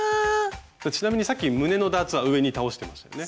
ちなみにさっき胸のダーツは上に倒してましたよね。